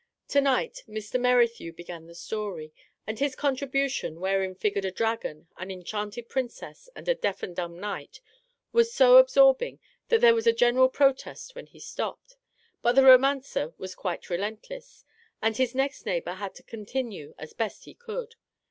To night Mr. Merrithew began the story, and his contribution (wherein figured a dragon, an enchanted princess, and a deaf and dumb knight) was so absorbing that there was a general protest when he stopped. But the romancer was quite relentless, and his next neighbour had to continue as best he could.